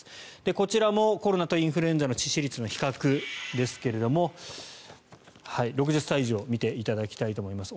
こちらもコロナとインフルエンザの致死率の比較ですが６０歳以上を見ていただきたいと思います。